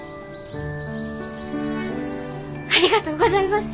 ありがとうございます！